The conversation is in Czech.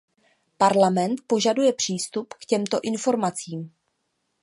Parlament požaduje přístup k těmto informacím.